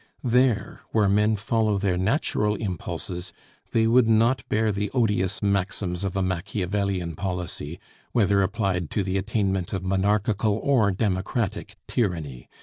There, where men follow their natural impulses, they would not bear the odious maxims of a Machiavellian policy, whether applied to the attainment of monarchical or democratic tyranny.